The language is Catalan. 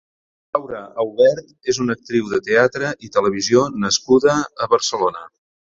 Laura Aubert és una actriu de teatre i televisió nascuda a Barcelona.